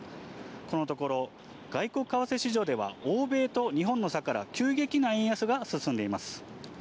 このところ、外国為替市場では欧米と日本の差から、急激な円安が進んでいます。